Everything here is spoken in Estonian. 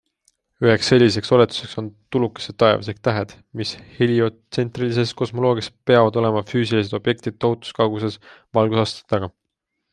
Üheks selliseks oletuseks on tulukesed taevas ehk tähed, mis heliotsentrilises kosmoloogias PEAVAD olema füüsilised objektid tohutus kauguses valgusaastate taga.